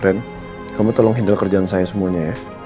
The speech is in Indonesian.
ren kamu tolong hindal kerjaan saya semuanya ya